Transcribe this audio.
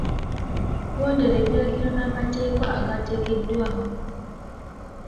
Gondera ebiragiro n'amateeka agateekeddwawo.